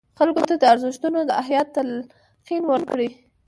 خلکو ته د ارزښتونو د احیا تلقین ورکړي.